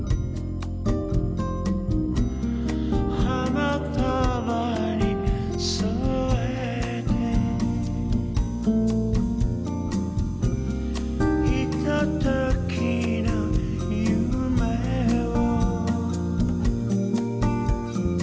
「花束に添えて」「ひとときの夢を」